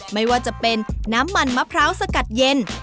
ไม่ว่าจะเป็นน้ำมันมะพร้าวสกัดเย็น